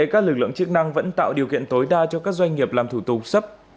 các lực lượng chức năng vẫn tạo điều kiện tối đa cho các doanh nghiệp làm thủ tục sắp